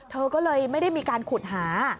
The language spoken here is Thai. เธอก็เลยไม่ได้มีการขุดหา